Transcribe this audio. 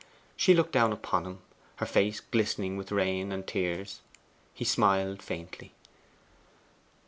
She looked down upon him, her face glistening with rain and tears. He smiled faintly.